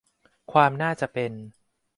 ความน่าจะเป็น